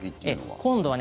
今度はね